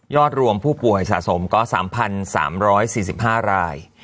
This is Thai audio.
รวมผู้ป่วยสะสมก็๓๓๔๕ราย